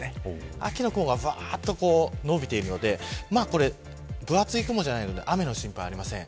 秋の雲は長く伸びているので分厚い雲ではなく雨の心配はありません。